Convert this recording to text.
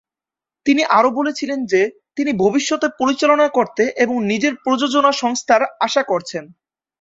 তিনি আরও বলেছিলেন যে, তিনি ভবিষ্যতে পরিচালনা করতে এবং নিজের প্রযোজনা সংস্থার আশা করছেন।